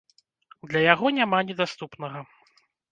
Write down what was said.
Для яго няма недаступнага.